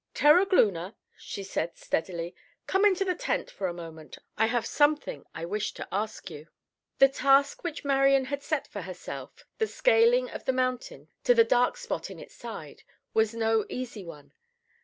"Terogloona," she said steadily, "come into the tent for a moment. I have something I wish to ask you." The task which Marian had set for herself, the scaling of the mountain to the dark spot in its side, was no easy one.